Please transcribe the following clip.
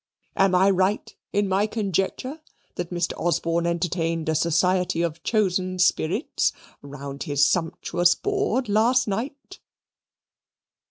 Am I right in my conjecture that Mr. Osborne entertained a society of chosen spirits round his sumptuous board last night?"